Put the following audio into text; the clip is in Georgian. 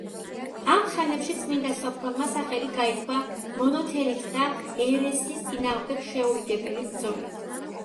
ამ ხანებში წმიდა სოფრონმა სახელი გაითქვა მონოთელიტთა ერესის წინააღმდეგ შეურიგებელი ბრძოლით.